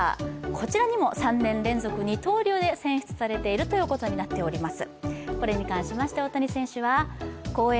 こちらにも３年連続二刀流で選出されているということになっております。